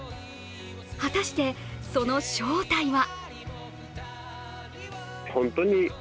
果たして、その正体は？